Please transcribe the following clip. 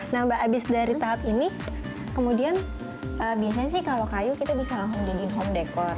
nah mbak abis dari tahap ini kemudian biasanya sih kalau kayu kita bisa langsung jadiin home decor